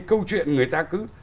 câu chuyện người ta cứ